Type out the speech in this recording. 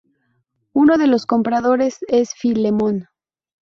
Uno de los compradores es Filemón.